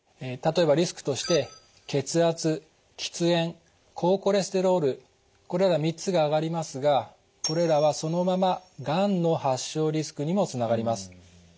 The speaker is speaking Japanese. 例えばリスクとして血圧喫煙高コレステロールこれら３つが挙がりますがこれらはそのままがんの発症リスクにもつながります。